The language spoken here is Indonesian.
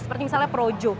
seperti misalnya projo